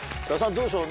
どうでしょう？